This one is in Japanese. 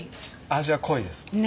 味は濃いです。